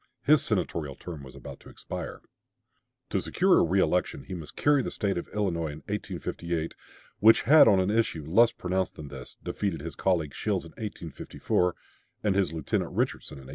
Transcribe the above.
His senatorial term was about to expire. To secure a reelection he must carry the State of Illinois in 1858, which had on an issue less pronounced than this defeated his colleague Shields in 1854, and his lieutenant Richardson in 1856.